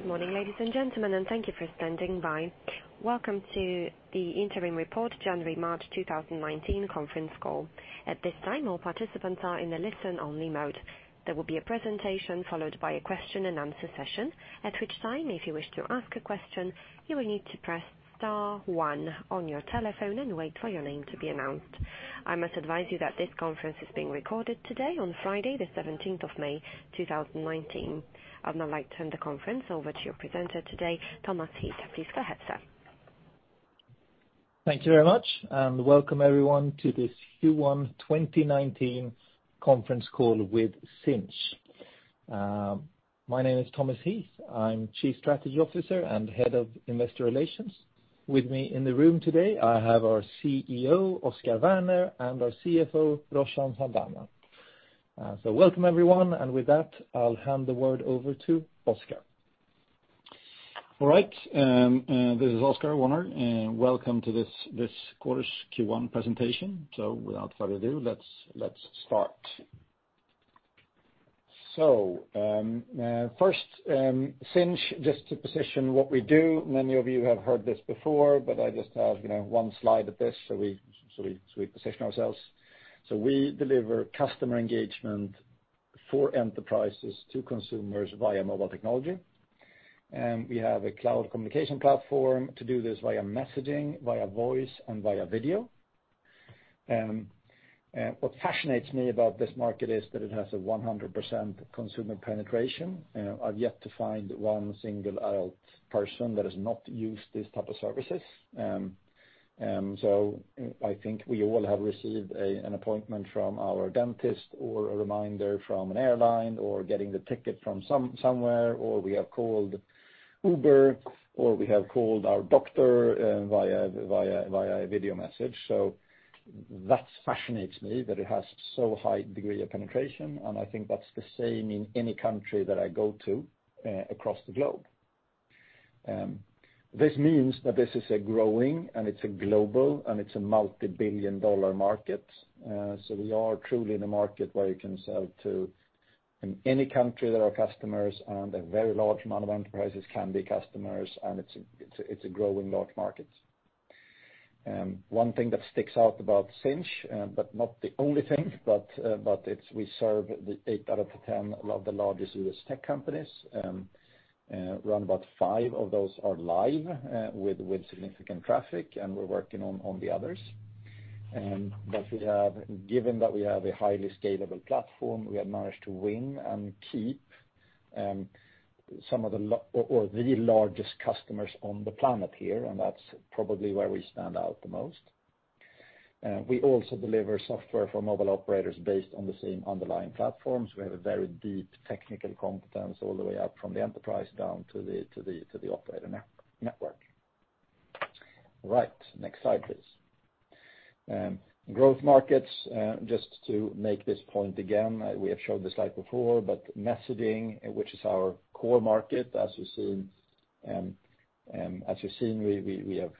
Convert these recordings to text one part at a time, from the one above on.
Good morning, ladies and gentlemen, and thank you for standing by. Welcome to the interim report, January-March 2019 conference call. At this time, all participants are in a listen-only mode. There will be a presentation followed by a question and answer session. At which time, if you wish to ask a question, you will need to press star one on your telephone and wait for your name to be announced. I must advise you that this conference is being recorded today, on Friday the 17th of May, 2019. I'd now like to turn the conference over to your presenter today, Thomas Heath. Please go ahead, sir. Thank you very much, and welcome everyone to this Q1 2019 conference call with Sinch. My name is Thomas Heath. I'm Chief Strategy Officer and Head of Investor Relations. With me in the room today, I have our CEO, Oscar Werner, and our CFO, Roshan Saldanha. Welcome, everyone. I'll hand the word over to Oscar. All right. This is Oscar Werner. Welcome to this quarter's Q1 presentation. Without further ado, let's start. First, Sinch, just to position what we do. Many of you have heard this before, but I just have one slide of this so we position ourselves. We deliver customer engagement for enterprises to consumers via mobile technology. We have a cloud communication platform to do this via messaging, via voice, and via video. What fascinates me about this market is that it has a 100% consumer penetration. I've yet to find one single adult person that has not used these type of services. I think we all have received an appointment from our dentist or a reminder from an airline, or getting the ticket from somewhere, or we have called Uber, or we have called our doctor via video message. That fascinates me that it has so high degree of penetration, and I think that's the same in any country that I go to across the globe. This means that this is a growing, and it's a global, and it's a multi-billion dollar market. We are truly in a market where you can sell to any country there are customers, and a very large amount of enterprises can be customers, and it's a growing large market. One thing that sticks out about Sinch, but not the only thing, but we serve the eight out of the 10 of the largest U.S. tech companies. Around about five of those are live with significant traffic, and we're working on the others. Given that we have a highly scalable platform, we have managed to win and keep the largest customers on the planet here, and that's probably where we stand out the most. We also deliver software for mobile operators based on the same underlying platforms. We have a very deep technical competence all the way up from the enterprise down to the operator network. Right. Next slide, please. Growth markets, just to make this point again, we have showed this slide before. Messaging, which is our core market as you've seen, we have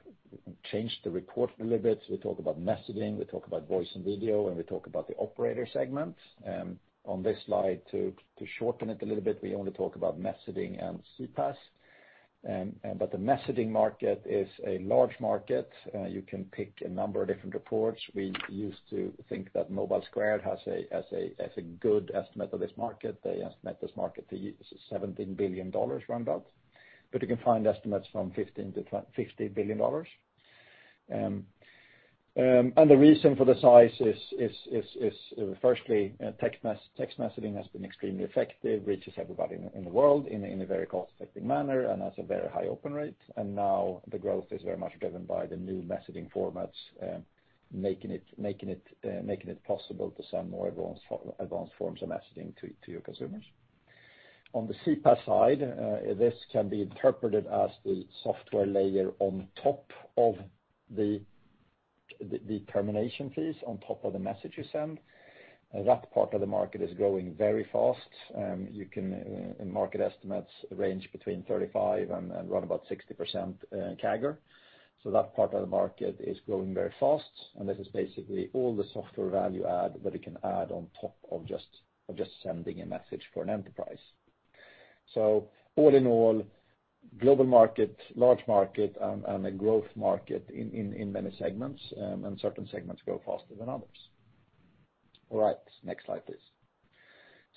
changed the report a little bit. We talk about messaging, we talk about voice and video, and we talk about the operator segment. On this slide, to shorten it a little bit, we only talk about messaging and CPaaS. The messaging market is a large market. You can pick a number of different reports. We used to think that Mobilesquared has a good estimate of this market. They estimate this market to SEK 17 billion round about. You can find estimates from 15 billion to SEK 50 billion. The reason for the size is firstly, text messaging has been extremely effective, reaches everybody in the world in a very cost-effective manner and has a very high open rate. Now the growth is very much driven by the new messaging formats, making it possible to send more advanced forms of messaging to your consumers. On the CPaaS side, this can be interpreted as the software layer on top of the termination fees on top of the message you send. That part of the market is growing very fast. Market estimates range between 35%-60% CAGR. That part of the market is growing very fast, and this is basically all the software value add that it can add on top of just sending a message for an enterprise. All in all, global market, large market, and a growth market in many segments, and certain segments grow faster than others. All right, next slide, please.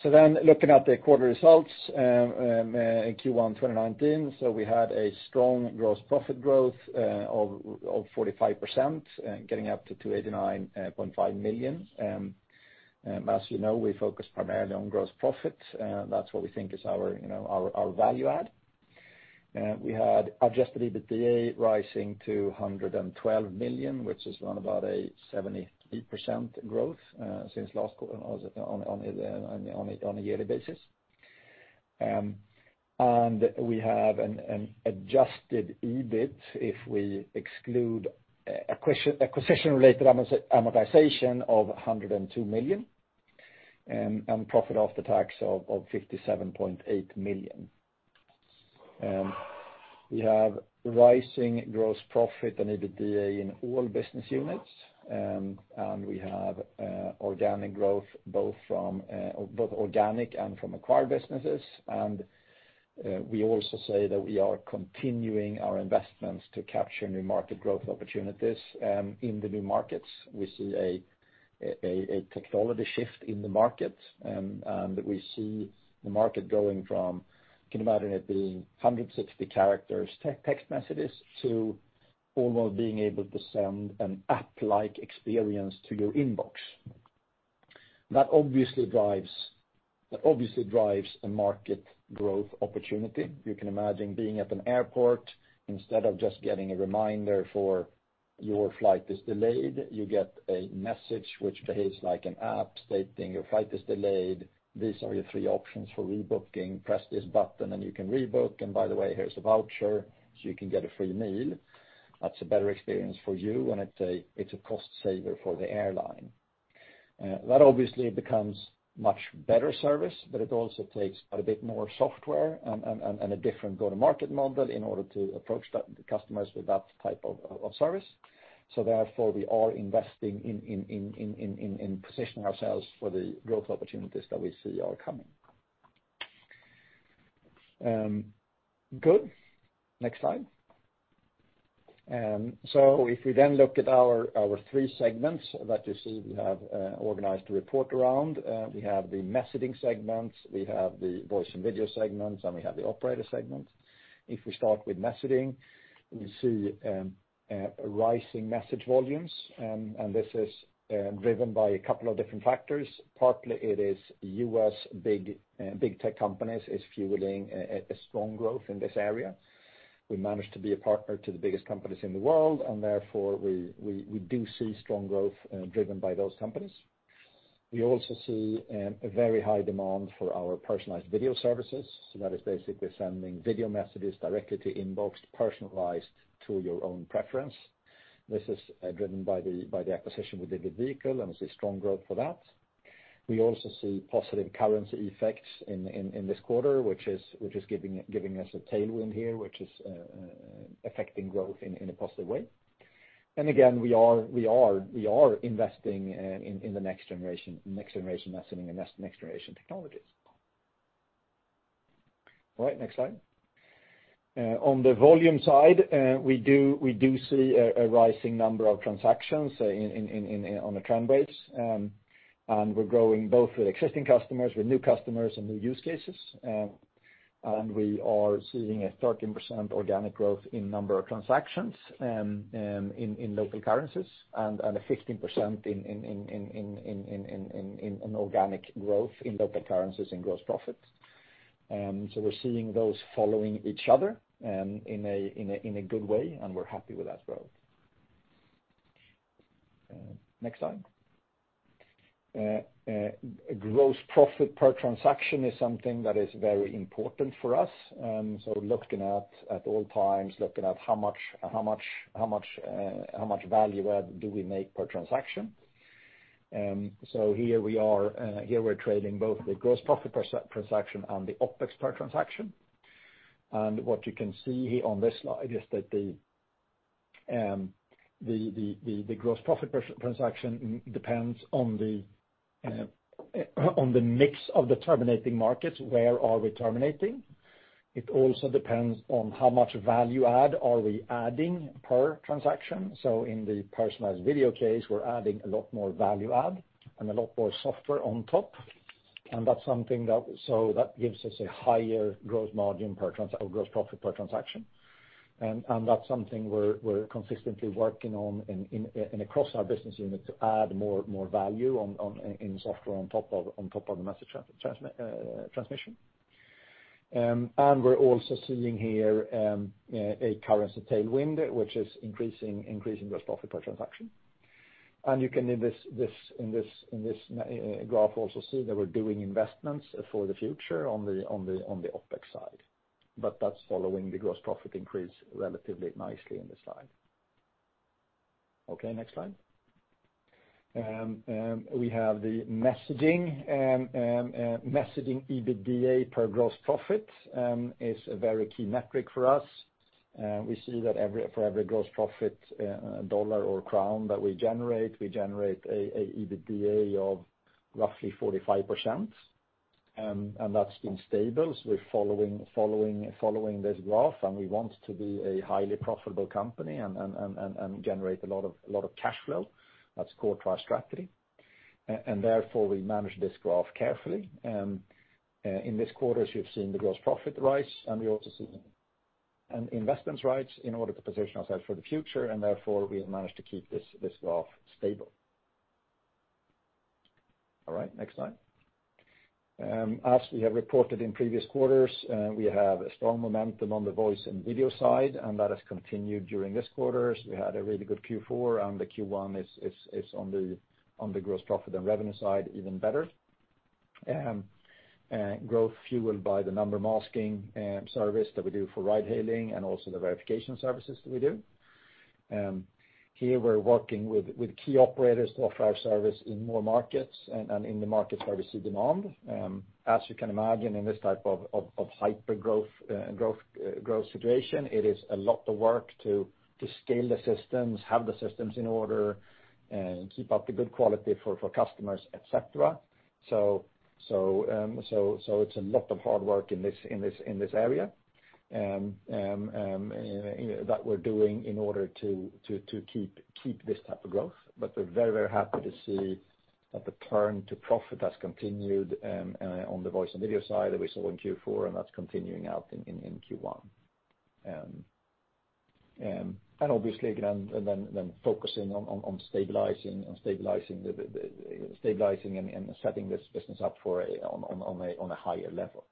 Looking at the quarter results, in Q1 2019, we had a strong gross profit growth of 45%, getting up to 289.5 million. As you know, we focus primarily on gross profit. That's what we think is our value add. We had adjusted EBITDA rising to 112 million, which is around about a 73% growth since last quarter on a yearly basis. We have an adjusted EBIT, if we exclude acquisition-related amortization of 102 million, and profit after tax of 57.8 million. We have rising gross profit and EBITDA in all business units, and we have both organic and from acquired businesses. We also say that we are continuing our investments to capture new market growth opportunities in the new markets. We see a technology shift in the market, and that we see the market going from, you can imagine it being 160 characters, text messages, to almost being able to send an app-like experience to your inbox. That obviously drives a market growth opportunity. You can imagine being at an airport, instead of just getting a reminder for your flight is delayed, you get a message which behaves like an app stating, "Your flight is delayed. These are your three options for rebooking. Press this button and you can rebook. By the way, here's a voucher, so you can get a free meal." That's a better experience for you, and it's a cost saver for the airline. That obviously becomes much better service, but it also takes a bit more software and a different go-to-market model in order to approach the customers with that type of service. Therefore, we are investing in positioning ourselves for the growth opportunities that we see are coming. Good. Next slide. If we then look at our three segments that you see we have organized the report around, we have the messaging segment, we have the voice and video segment, and we have the operator segment. If we start with messaging, we see rising message volumes, and this is driven by a couple of different factors. Partly it is U.S. big tech companies is fueling a strong growth in this area. We manage to be a partner to the biggest companies in the world, therefore we do see strong growth driven by those companies. We also see a very high demand for our personalized video services. That is basically sending video messages directly to inbox, personalized to your own preference. This is driven by the acquisition with the Vehicle, and we see strong growth for that. We also see positive currency effects in this quarter, which is giving us a tailwind here, which is affecting growth in a positive way. Again, we are investing in the next generation, next generation messaging and next generation technologies. All right, next slide. On the volume side, we do see a rising number of transactions on a trend basis. We're growing both with existing customers, with new customers, and new use cases. We are seeing a 13% organic growth in number of transactions in local currencies and a 15% in organic growth in local currencies in gross profit. We're seeing those following each other in a good way, and we're happy with that growth. Next slide. Gross profit per transaction is something that is very important for us. Looking at all times, looking at how much value add do we make per transaction. Here we're trading both the gross profit per transaction and the OpEx per transaction. What you can see here on this slide is that the gross profit transaction depends on the mix of the terminating markets, where are we terminating. It also depends on how much value add are we adding per transaction. In the personalized video case, we're adding a lot more value add and a lot more software on top. That gives us a higher gross profit per transaction. That's something we're consistently working on and across our business unit to add more value in software on top of the message transmission. We're also seeing here a currency tailwind, which is increasing gross profit per transaction. You can, in this graph also see that we're doing investments for the future on the OpEx side. That's following the gross profit increase relatively nicely in this slide. Okay, next slide. We have the messaging. Messaging EBITDA per gross profit is a very key metric for us. We see that for every gross profit dollar or crown that we generate, we generate a EBITDA of roughly 45%. That's been stable. We're following this graph, and we want to be a highly profitable company and generate a lot of cash flow. That is core to our strategy. Therefore, we manage this graph carefully. In this quarter, as you have seen the gross profit rise, we also see an investments rise in order to position ourselves for the future. Therefore, we have managed to keep this graph stable. All right. Next slide. As we have reported in previous quarters, we have a strong momentum on the voice and video side. That has continued during this quarter. We had a really good Q4. The Q1 is on the gross profit and revenue side even better. Growth fueled by the number masking service that we do for ride hailing and also the verification services that we do. Here we are working with key operators to offer our service in more markets and in the markets where we see demand. As you can imagine in this type of hyper growth situation, it is a lot of work to scale the systems, have the systems in order and keep up the good quality for customers, et cetera. It is a lot of hard work in this area that we are doing in order to keep this type of growth. We are very happy to see that the turn to profit has continued on the voice and video side that we saw in Q4. That is continuing out in Q1. Obviously again, then focusing on stabilizing and setting this business up on a higher level.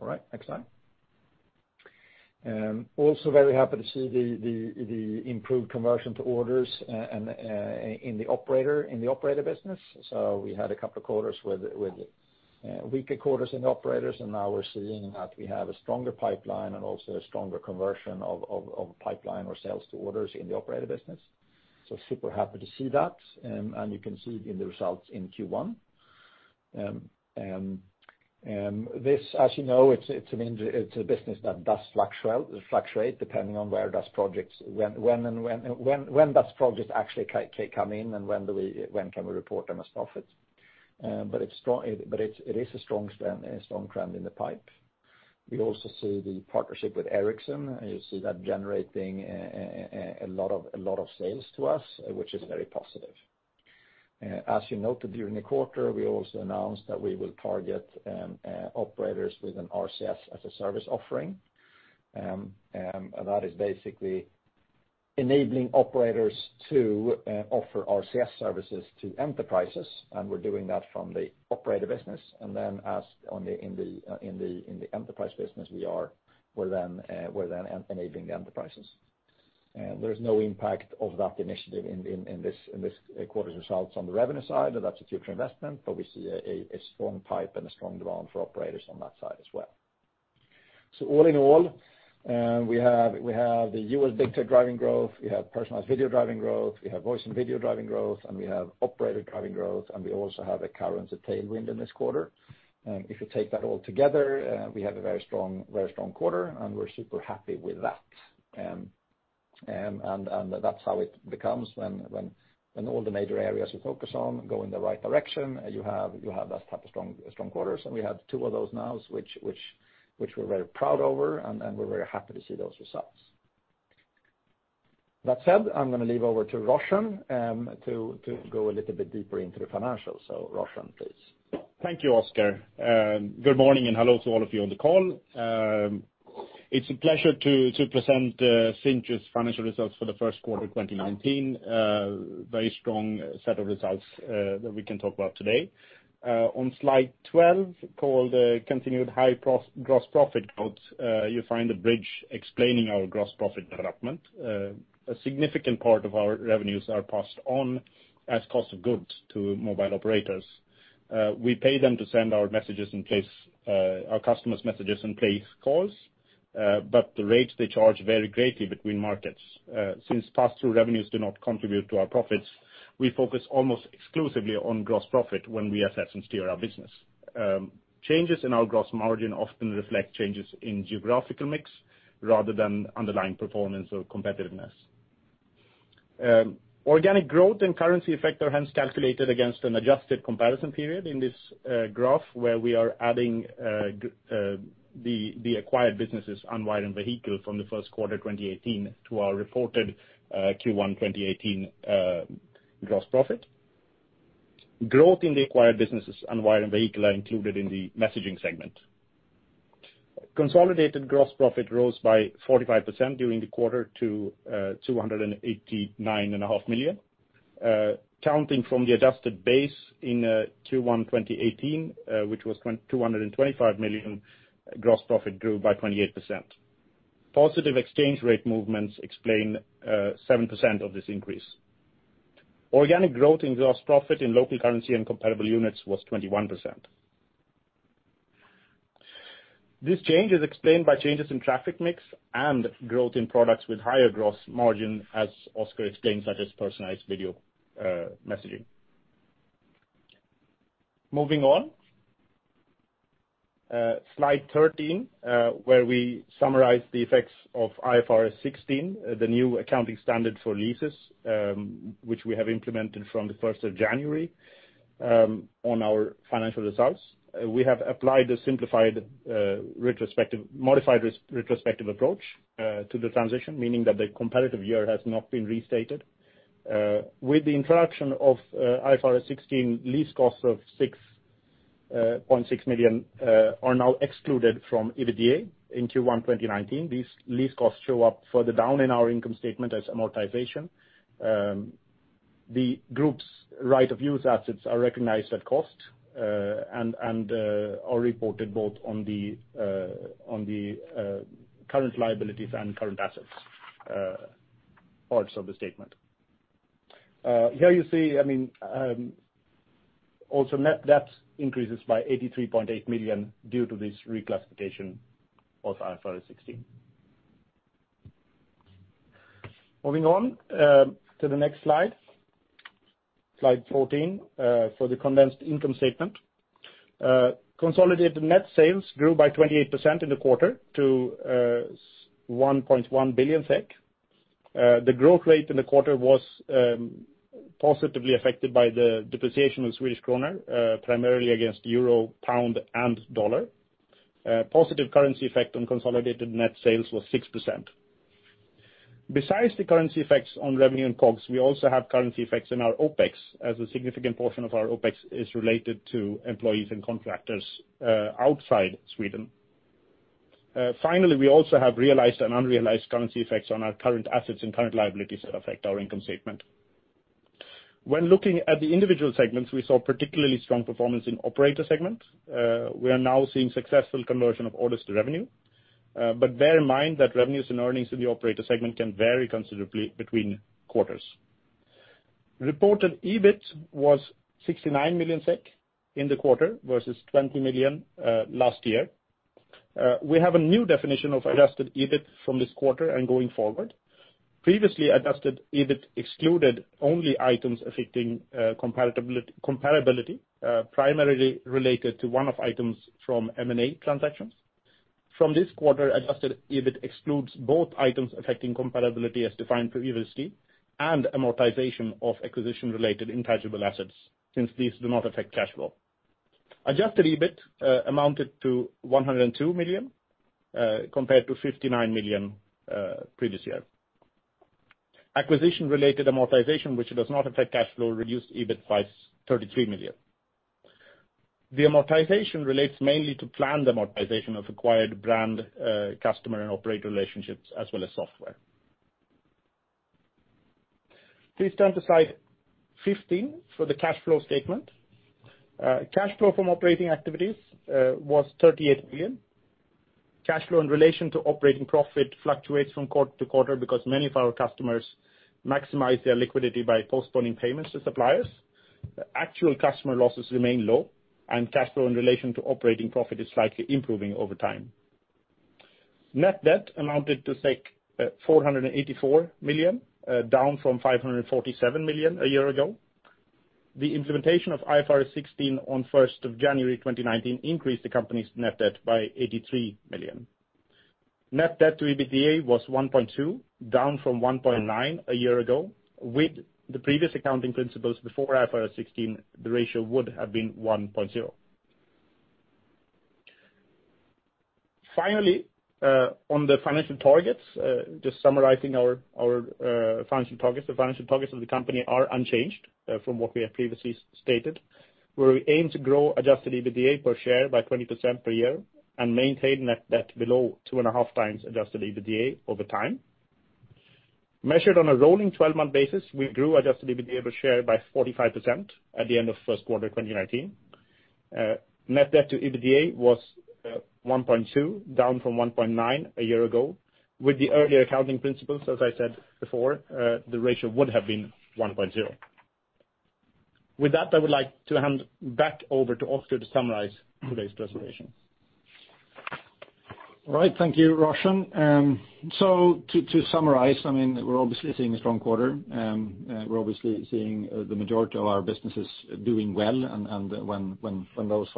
All right. Next slide. Also very happy to see the improved conversion to orders in the operator business. We had a couple of weaker quarters in the operators. Now we are seeing that we have a stronger pipeline and also a stronger conversion of pipeline or sales to orders in the operator business. Super happy to see that. You can see in the results in Q1. This, as you know, it is a business that does fluctuate depending on when does projects actually come in and when can we report them as profit. It is a strong trend in the pipe. We also see the partnership with Ericsson. You see that generating a lot of sales to us, which is very positive. As you noted during the quarter, we also announced that we will target operators with an RCS as a service offering. That is basically enabling operators to offer RCS services to enterprises. We are doing that from the operator business. Then in the enterprise business, we are then enabling the enterprises. There is no impact of that initiative in this quarter's results on the revenue side. That is a future investment. We see a strong pipe and a strong demand for operators on that side as well. All in all, we have the U.S. big tech driving growth. We have personalized video driving growth. We have voice and video driving growth. We have operator driving growth. We also have a currency tailwind in this quarter. If you take that all together, we have a very strong quarter. We are super happy with that. That's how it becomes when all the major areas we focus on go in the right direction, you have that type of strong quarters, and we have two of those now, which we're very proud over, and we're very happy to see those results. That said, I'm going to leave over to Roshan to go a little bit deeper into the financials. Roshan, please. Thank you, Oscar. Good morning, and hello to all of you on the call. It's a pleasure to present Sinch's financial results for the first quarter 2019. A very strong set of results that we can talk about today. On slide 12, called continued high gross profit growth, you'll find a bridge explaining our gross profit development. A significant part of our revenues are passed on as cost of goods to mobile operators. We pay them to send our customers messages and place calls, but the rates they charge vary greatly between markets. Since pass-through revenues do not contribute to our profits, we focus almost exclusively on gross profit when we assess and steer our business. Changes in our gross margin often reflect changes in geographical mix rather than underlying performance or competitiveness. Organic growth and currency effect are hence calculated against an adjusted comparison period in this graph, where we are adding the acquired businesses, Unwire and Vehicle from the first quarter 2018 to our reported Q1 2018 gross profit. Growth in the acquired businesses, Unwire and Vehicle, are included in the messaging segment. Consolidated gross profit rose by 45% during the quarter to 289.5 million. Counting from the adjusted base in Q1 2018, which was 225 million, gross profit grew by 28%. Positive exchange rate movements explain 7% of this increase. Organic growth in gross profit in local currency and comparable units was 21%. This change is explained by changes in traffic mix and growth in products with higher gross margin, as Oscar explained, such as personalized video messaging. Moving on. Slide 13, where we summarize the effects of IFRS 16, the new accounting standard for leases, which we have implemented from the 1st of January, on our financial results. We have applied the modified retrospective approach to the transition, meaning that the competitive year has not been restated. With the introduction of IFRS 16, lease costs of 6.6 million are now excluded from EBITDA in Q1 2019. These lease costs show up further down in our income statement as amortization. The group's right of use assets are recognized at cost and are reported both on the current liabilities and current assets parts of the statement. Here you see also net debt increases by 83.8 million due to this reclassification of IFRS 16. Moving on to the next slide 14, for the condensed income statement. Consolidated net sales grew by 28% in the quarter to 1.1 billion SEK. The growth rate in the quarter was positively affected by the depreciation of the Swedish krona, primarily against the euro, pound, and dollar. Positive currency effect on consolidated net sales was 6%. Besides the currency effects on revenue and COGS, we also have currency effects in our OpEx, as a significant portion of our OpEx is related to employees and contractors outside Sweden. Finally, we also have realized and unrealized currency effects on our current assets and current liabilities that affect our income statement. When looking at the individual segments, we saw particularly strong performance in operator segment. We are now seeing successful conversion of orders to revenue. Bear in mind that revenues and earnings in the operator segment can vary considerably between quarters. Reported EBIT was 69 million SEK in the quarter versus 20 million last year. We have a new definition of adjusted EBIT from this quarter and going forward. Previously, adjusted EBIT excluded only items affecting comparability, primarily related to one-off items from M&A transactions. From this quarter, adjusted EBIT excludes both items affecting comparability as defined previously, and amortization of acquisition-related intangible assets, since these do not affect cash flow. Adjusted EBIT amounted to 102 million, compared to 59 million previous year. Acquisition-related amortization, which does not affect cash flow, reduced EBIT by 33 million. The amortization relates mainly to planned amortization of acquired brand, customer, and operator relationships, as well as software. Please turn to slide 15 for the cash flow statement. Cash flow from operating activities was 38 million. Cash flow in relation to operating profit fluctuates from quarter to quarter because many of our customers maximize their liquidity by postponing payments to suppliers. Actual customer losses remain low, and cash flow in relation to operating profit is slightly improving over time. Net debt amounted to 484 million, down from 547 million a year ago. The implementation of IFRS 16 on 1st of January 2019 increased the company's net debt by 83 million. Net debt to EBITDA was 1.2, down from 1.9 a year ago. With the previous accounting principles before IFRS 16, the ratio would have been 1.0. Finally, on the financial targets, just summarizing our financial targets. The financial targets of the company are unchanged from what we have previously stated, where we aim to grow adjusted EBITDA per share by 20% per year and maintain net debt below 2.5 times adjusted EBITDA over time. Measured on a rolling 12-month basis, we grew adjusted EBITDA per share by 45% at the end of first quarter 2019. Net debt to EBITDA was 1.2, down from 1.9 a year ago. With the earlier accounting principles, as I said before, the ratio would have been 1.0. With that, I would like to hand back over to Oscar to summarize today's presentation. Thank you, Roshan. To summarize, we're obviously seeing a strong quarter. We're obviously seeing the majority of our businesses doing well, and when those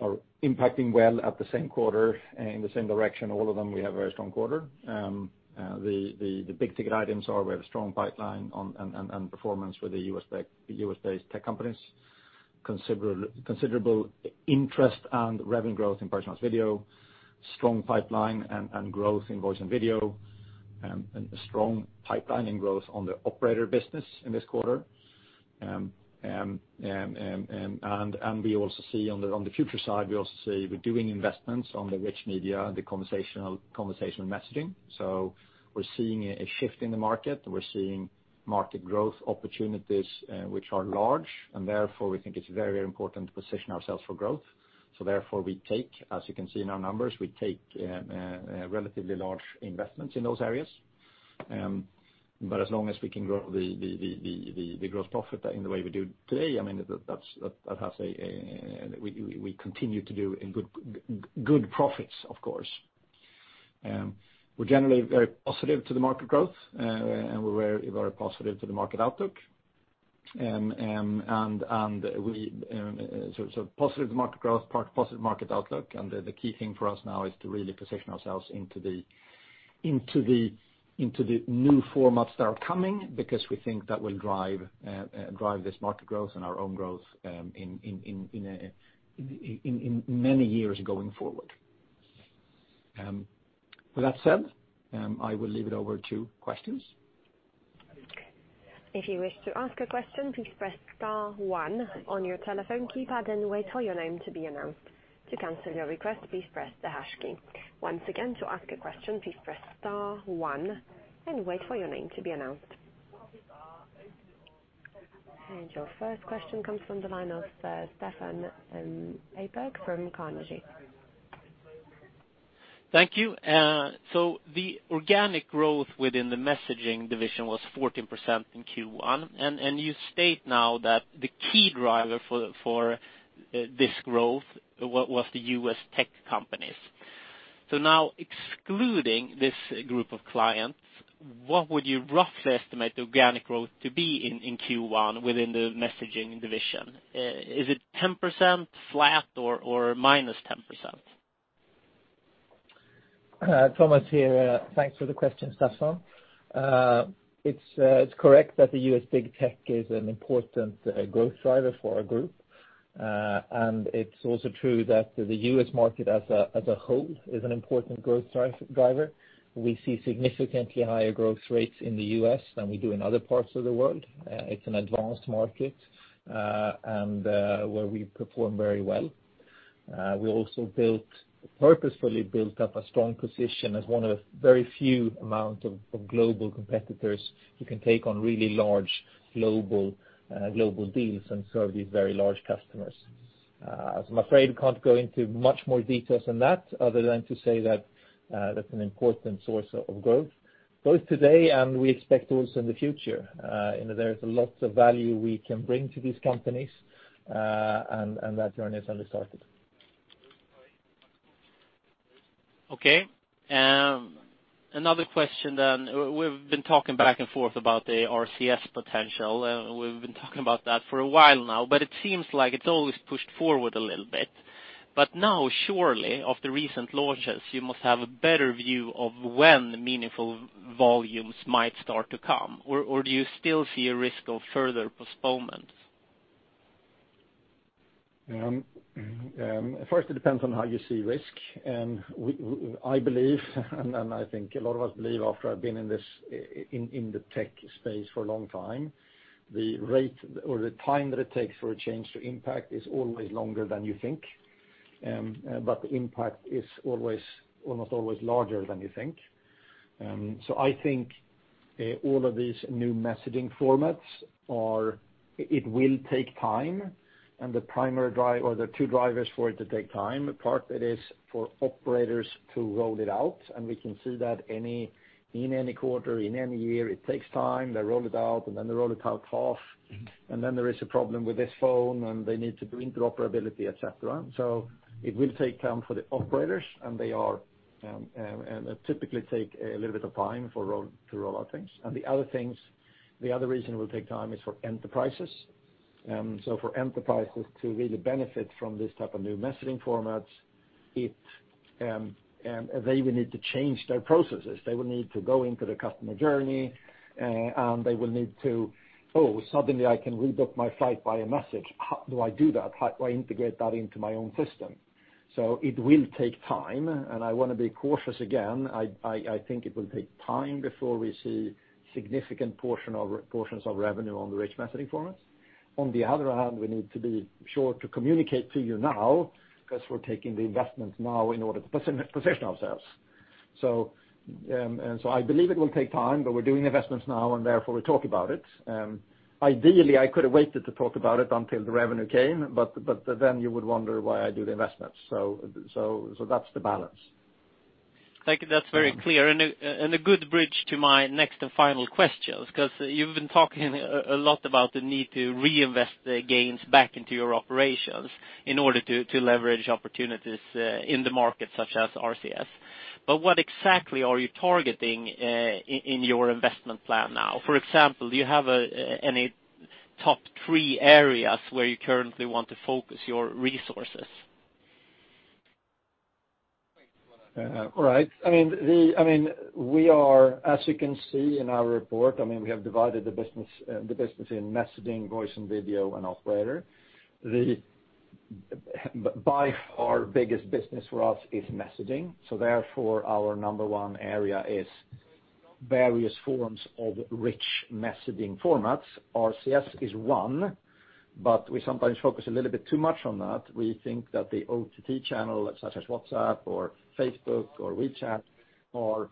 are impacting well at the same quarter in the same direction, all of them, we have a very strong quarter. The big-ticket items are we have a strong pipeline and performance with the U.S.-based tech companies. Considerable interest and revenue growth in personalized video. Strong pipeline and growth in voice and video, and a strong pipeline in growth on the operator business in this quarter. We also see on the future side, we're doing investments on the rich media and the conversational messaging. We're seeing a shift in the market. We're seeing market growth opportunities which are large, and therefore we think it's very important to position ourselves for growth. Therefore, as you can see in our numbers, we take relatively large investments in those areas. As long as we can grow the gross profit in the way we do today, I'd have to say we continue to do in good profits, of course. We're generally very positive to the market growth. We're very positive to the market outlook. Positive to market growth, positive market outlook, the key thing for us now is to really position ourselves into the new formats that are coming, because we think that will drive this market growth and our own growth in many years going forward. With that said, I will leave it over to questions. If you wish to ask a question, please press star one on your telephone keypad and wait for your name to be announced. To cancel your request, please press the hash key. Once again, to ask a question, please press star one and wait for your name to be announced. Your first question comes from the line of Staffan Eyberg from Carnegie. Thank you. The organic growth within the messaging division was 14% in Q1, and you state now that the key driver for this growth was the U.S. tech companies. Now, excluding this group of clients, what would you roughly estimate the organic growth to be in Q1 within the messaging division? Is it 10%, flat, or -10%? Thomas here. Thanks for the question, Staffan. It's correct that the U.S. big tech is an important growth driver for our group. It's also true that the U.S. market as a whole is an important growth driver. We see significantly higher growth rates in the U.S. than we do in other parts of the world. It's an advanced market, and where we perform very well. We also purposefully built up a strong position as one of very few amount of global competitors who can take on really large global deals and serve these very large customers. I'm afraid I can't go into much more detail than that other than to say that's an important source of growth. Both today and we expect also in the future, there is lots of value we can bring to these companies, and that journey has only started. Okay. Another question then. We've been talking back and forth about the RCS potential. We've been talking about that for a while now, but it seems like it's always pushed forward a little bit. Now, surely, of the recent launches, you must have a better view of when the meaningful volumes might start to come. Do you still see a risk of further postponements? First, it depends on how you see risk. I believe and I think a lot of us believe after I've been in the tech space for a long time, the rate or the time that it takes for a change to impact is always longer than you think. The impact is almost always larger than you think. I think all of these new messaging formats are, it will take time. The two drivers for it to take time, apart that is for operators to roll it out. We can see that in any quarter, in any year, it takes time. They roll it out. They roll it out half. There is a problem with this phone, and they need to do interoperability, et cetera. It will take time for the operators. They typically take a little bit of time to roll out things. The other reason it will take time is for enterprises. For enterprises to really benefit from these type of new messaging formats, they will need to change their processes. They will need to go into the customer journey. They will need to, "Oh, suddenly I can rebook my flight by a message. How do I do that? How do I integrate that into my own system?" It will take time. I want to be cautious again. I think it will take time before we see significant portions of revenue on the rich messaging formats. On the other hand, we need to be sure to communicate to you now because we're taking the investments now in order to position ourselves. I believe it will take time, but we're doing investments now and therefore we talk about it. Ideally, I could have waited to talk about it until the revenue came, then you would wonder why I do the investments. That's the balance. Thank you. That's very clear, and a good bridge to my next and final question. You've been talking a lot about the need to reinvest the gains back into your operations in order to leverage opportunities in the market, such as RCS. What exactly are you targeting in your investment plan now? For example, do you have any top three areas where you currently want to focus your resources? Right. As you can see in our report, we have divided the business in messaging, voice and video, and operator. The by far biggest business for us is messaging. Therefore, our number one area is various forms of rich messaging formats. RCS is one, but we sometimes focus a little bit too much on that. We think that the OTT channel, such as WhatsApp or Facebook or WeChat, from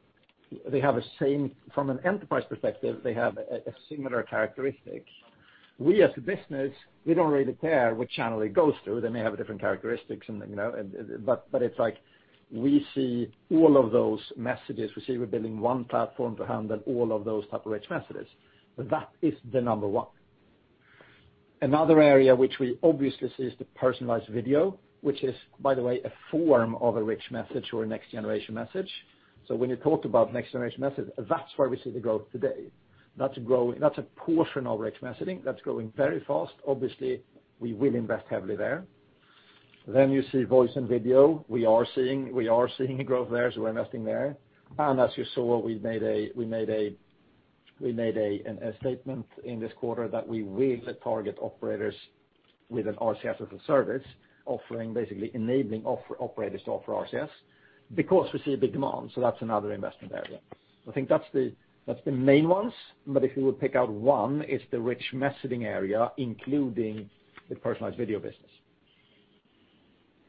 an enterprise perspective, they have a similar characteristic. We as a business, we don't really care which channel it goes through. They may have different characteristics, but it's like we see all of those messages. We say we're building one platform to handle all of those type of rich messages. That is the number one. Another area which we obviously see is the personalized video, which is, by the way, a form of a rich message or a next-generation message. When you talk about next-generation message, that's where we see the growth today. That's a portion of rich messaging that's growing very fast. Obviously, we will invest heavily there. Then you see voice and video. We are seeing growth there, we're investing there. As you saw, we made a statement in this quarter that we will target operators with an RCS as a service offering, basically enabling operators to offer RCS because we see a big demand. That's another investment area. I think that's the main ones. If you would pick out one, it's the rich messaging area, including the personalized video business.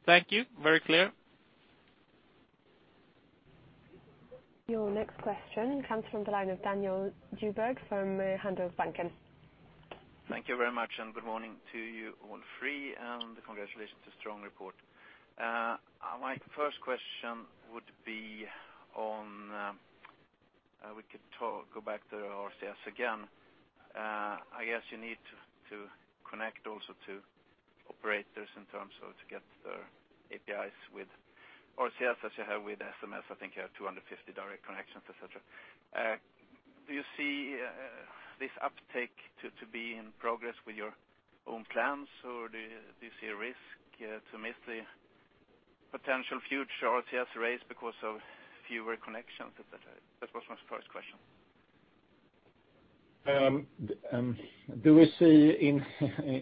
Thank you. Very clear. Your next question comes from the line of Daniel Djurberg from Handelsbanken. Thank you very much, good morning to you, all three, and congratulations to strong report. My first question would be on, we could go back to RCS again. I guess you need to connect also to operators in terms of to get their APIs with RCS as you have with SMS. I think you have 250 direct connections, et cetera. Do you see this uptake to be in progress with your own plans, or do you see a risk to miss the potential future RCS raise because of fewer connections? That was my first question. Do we see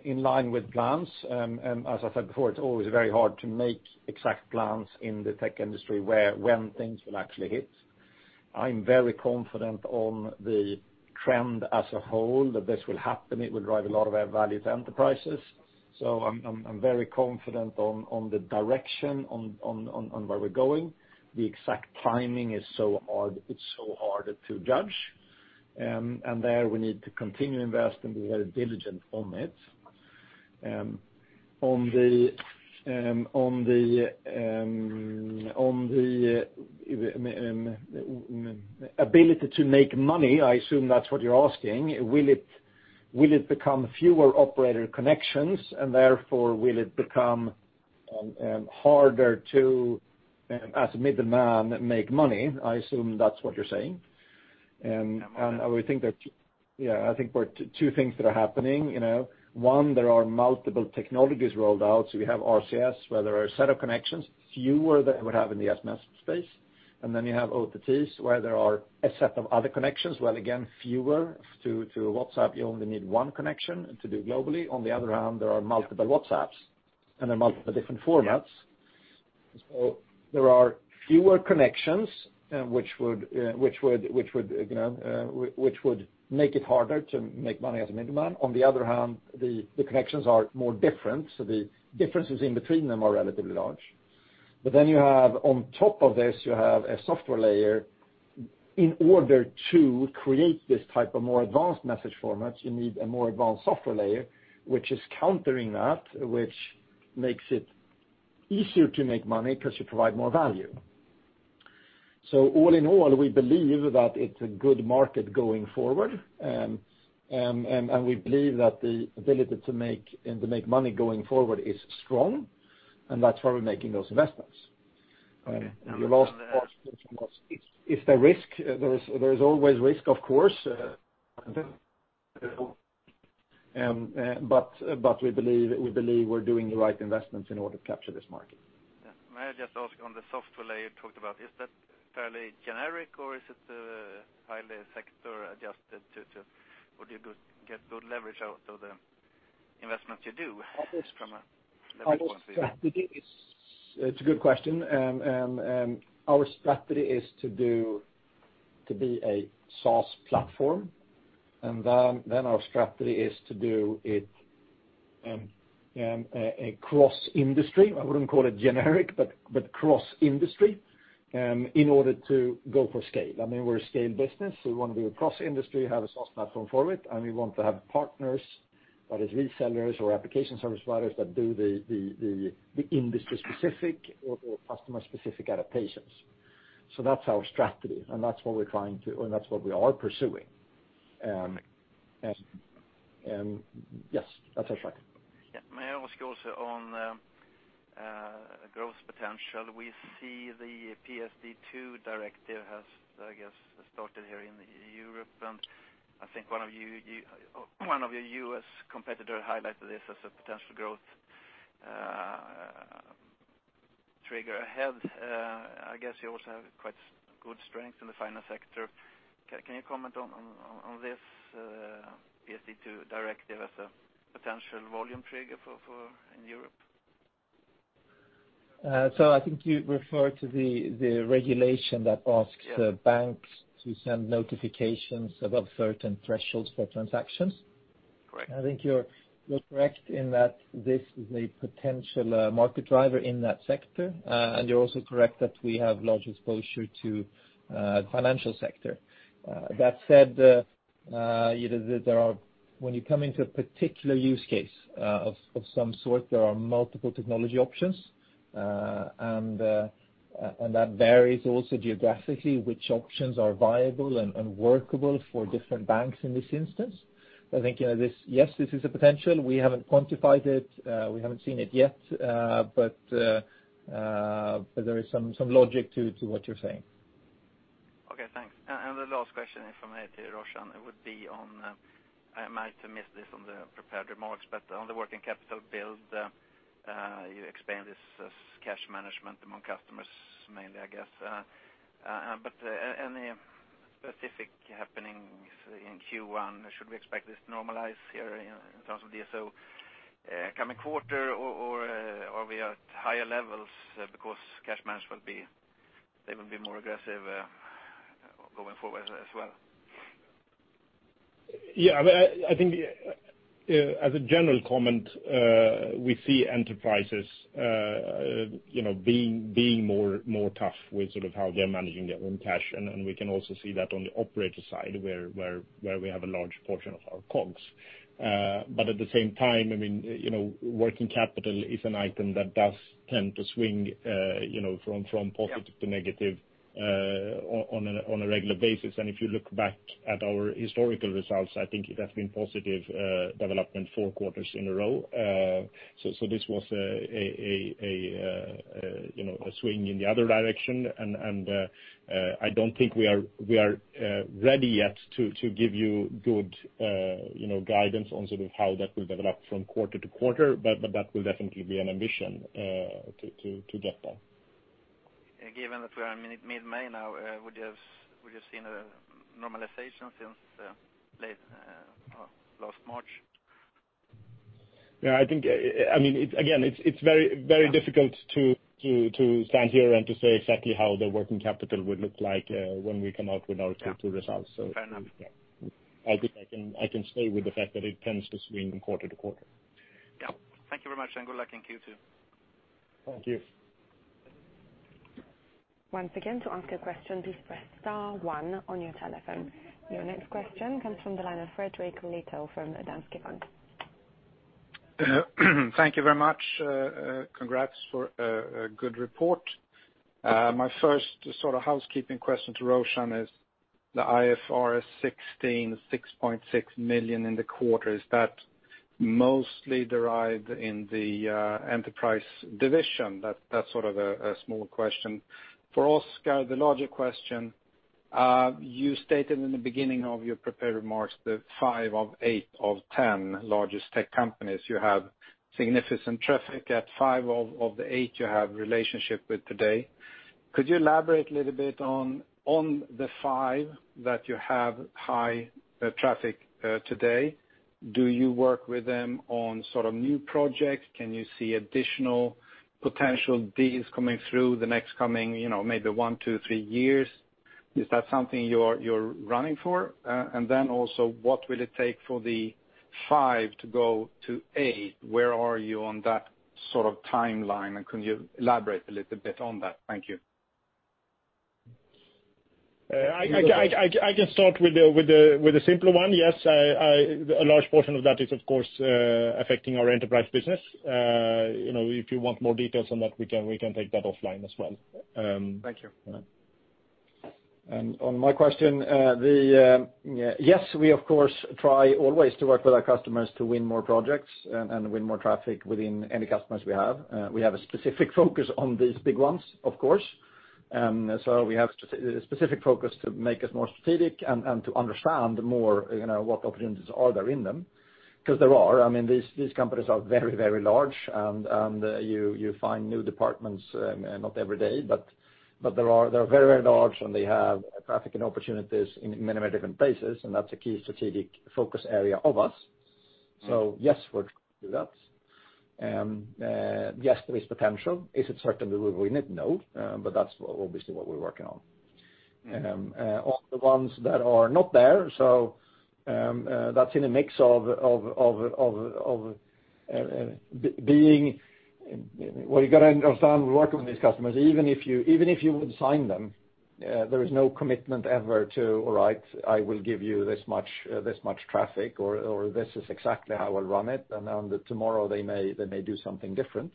in line with plans? As I said before, it's always very hard to make exact plans in the tech industry when things will actually hit. I'm very confident on the trend as a whole that this will happen. It will drive a lot of our value to enterprises. I'm very confident on the direction on where we're going. The exact timing is so hard to judge. There we need to continue to invest and be very diligent on it. On the ability to make money, I assume that's what you're asking, will it become fewer operator connections, and therefore will it become harder to, as a middleman, make money? I assume that's what you're saying. Yeah. I think two things that are happening. One, there are multiple technologies rolled out. We have RCS, where there are a set of connections, fewer than we would have in the SMS space. You have OTTs, where there are a set of other connections, well again, fewer. To WhatsApp, you only need one connection to do globally. On the other hand, there are multiple WhatsApps and there are multiple different formats. Yeah. There are fewer connections, which would make it harder to make money as a middleman. On the other hand, the connections are more different, so the differences in between them are relatively large. You have on top of this, you have a software layer. In order to create this type of more advanced message formats, you need a more advanced software layer, which is countering that, which makes it easier to make money because you provide more value. All in all, we believe that it's a good market going forward. We believe that the ability to make money going forward is strong, and that's why we're making those investments. Okay. Is there risk? There is always risk, of course. We believe we're doing the right investments in order to capture this market. May I just ask on the software layer you talked about, is that fairly generic or is it highly sector-adjusted to, or do you get good leverage out of the investments you do from a level of- It's a good question. Our strategy is to be a SaaS platform. Our strategy is to do it a cross-industry. I wouldn't call it generic, but cross-industry, in order to go for scale. We're a scale business, so we want to be a cross-industry, have a SaaS platform for it, and we want to have partners, that is resellers or application service providers that do the industry-specific or customer-specific adaptations. That's our strategy, and that's what we are pursuing. Okay. Yes. That's it, sure. Yeah. May I ask also on growth potential. We see the PSD2 directive has, I guess, started here in Europe. I think one of your U.S. competitor highlighted this as a potential growth trigger ahead. I guess you also have quite good strength in the finance sector. Can you comment on this PSD2 directive as a potential volume trigger in Europe? I think you refer to the regulation that asks- Yeah banks to send notifications about certain thresholds for transactions. Correct. I think you're correct in that this is a potential market driver in that sector. You're also correct that we have large exposure to financial sector. That said, when you come into a particular use case of some sort, there are multiple technology options. That varies also geographically, which options are viable and workable for different banks in this instance. I think, yes, this is a potential. We haven't quantified it. We haven't seen it yet, but there is some logic to what you're saying. Okay, thanks. The last question from me to Roshan, it would be on, I might have missed this on the prepared remarks. On the working capital build, you explained this as cash management among customers, mainly, I guess. Any specific happenings in Q1? Should we expect this to normalize here in terms of DSO coming quarter, or are we at higher levels because cash management, they will be more aggressive going forward as well? Yeah. I think as a general comment, we see enterprises being more tough with how they're managing their own cash. We can also see that on the operator side where we have a large portion of our COGS. At the same time, working capital is an item that does tend to swing from positive to negative on a regular basis. If you look back at our historical results, I think it has been positive development four quarters in a row. This was a swing in the other direction, I don't think we are ready yet to give you good guidance on how that will develop from quarter to quarter, but that will definitely be an ambition to get there. Given that we are mid-May now, would you have seen a normalization since last March? Yeah. Again, it's very difficult to stand here and to say exactly how the working capital will look like when we come out with our Q2 results. Fair enough. I think I can stay with the fact that it tends to swing quarter to quarter. Thank you very much, and good luck in Q2. Thank you. Once again, to ask a question, please press star one on your telephone. Your next question comes from the line of Frederik Lithell from Danske Bank. Thank you very much. Congrats for a good report. My first housekeeping question to Roshan is the IFRS 16, 6.6 million in the quarter. Is that mostly derived in the enterprise division? That's a small question. For Oscar, the larger question, you stated in the beginning of your prepared remarks that five of eight of 10 largest tech companies, you have significant traffic. At five of the eight, you have relationship with today. Could you elaborate a little bit on the five that you have high traffic today? Do you work with them on new projects? Can you see additional potential deals coming through the next coming maybe one to three years? Is that something you're running for? And then also, what will it take for the five to go to eight? Where are you on that timeline, and can you elaborate a little bit on that? Thank you. I can start with the simpler one. A large portion of that is, of course, affecting our enterprise business. If you want more details on that, we can take that offline as well. Thank you. On my question, we, of course, try always to work with our customers to win more projects and win more traffic within any customers we have. We have a specific focus on these big ones, of course. We have specific focus to make us more strategic and to understand more what opportunities are there in them, because there are. These companies are very, very large, and you find new departments, not every day, but they're very, very large, and they have traffic and opportunities in many, many different places, and that's a key strategic focus area of us. We'll do that. There is potential. Is it certain that we will win it? No. That's obviously what we're working on. On the ones that are not there, what you got to understand, working with these customers, even if you would sign them, there is no commitment ever to, "All right, I will give you this much traffic," or, "This is exactly how I'll run it." Tomorrow they may do something different.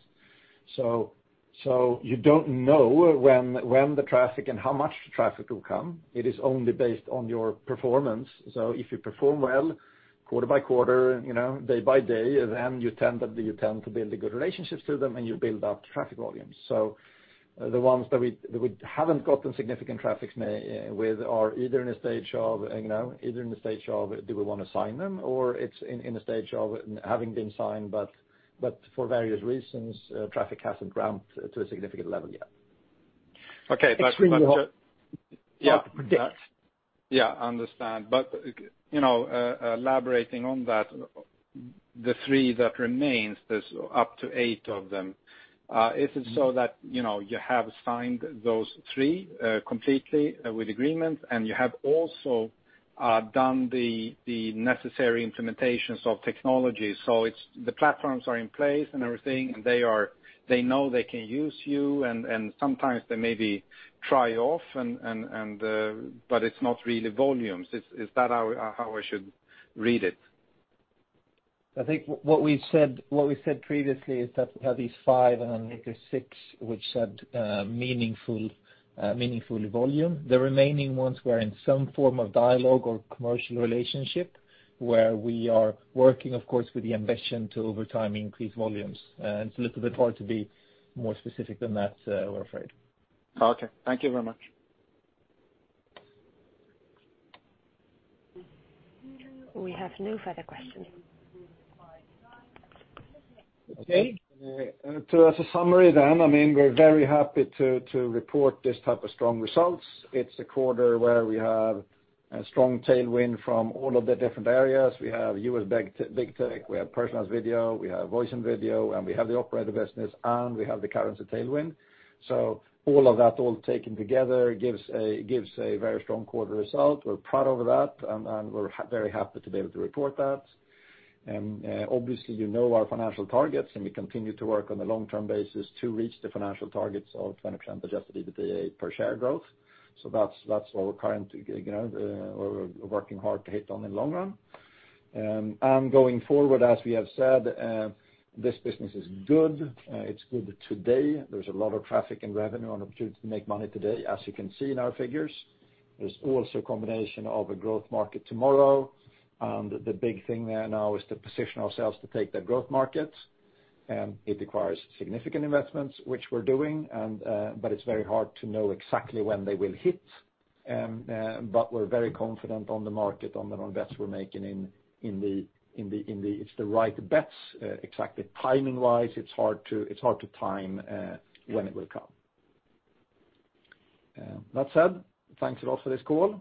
You don't know when the traffic and how much traffic will come. It is only based on your performance. If you perform well quarter by quarter, day by day, then you tend to build good relationships with them, and you build up traffic volumes. The ones that we haven't gotten significant traffic with are either in a stage of do we want to sign them, or it's in a stage of having been signed, but for various reasons, traffic hasn't ramped to a significant level yet. Okay. It's really hard to predict. Yeah, understand. Elaborating on that, the three that remains, there's up to eight of them. Is it so that you have signed those three completely with agreements, and you have also done the necessary implementations of technology. The platforms are in place and everything. They know they can use you, and sometimes they maybe try off, but it's not really volumes. Is that how I should read it? I think what we said previously is that we have these five, we have the six which had meaningful volume. The remaining ones were in some form of dialogue or commercial relationship, where we are working, of course, with the ambition to over time increase volumes. It's a little bit hard to be more specific than that, we're afraid. Okay. Thank you very much. We have no further questions. Okay. As a summary, we're very happy to report this type of strong results. It's a quarter where we have a strong tailwind from all of the different areas. We have U.S. big tech, we have personalized video, we have voice and video, we have the operator business, and we have the currency tailwind. All of that all taken together gives a very strong quarter result. We're proud of that, we're very happy to be able to report that. Obviously, you know our financial targets, we continue to work on a long-term basis to reach the financial targets of 20% adjusted EBITDA per share growth. That's what we're working hard to hit on in long run. Going forward, as we have said, this business is good. It's good today. There's a lot of traffic and revenue and opportunity to make money today, as you can see in our figures. There's also a combination of a growth market tomorrow. The big thing there now is to position ourselves to take the growth market. It requires significant investments, which we're doing, but it's very hard to know exactly when they will hit. We're very confident on the market, on the bets we're making. It's the right bets. Exactly timing-wise, it's hard to time when it will come. That said, thanks a lot for this call.